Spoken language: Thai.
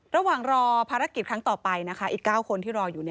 ระหว่างรอภารกิจครั้งต่อไปนะคะอีก๙คนที่รออยู่